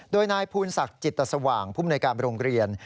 โดยนายภูนศักดิ์จิตสว่างภูมิในการโรงเรียน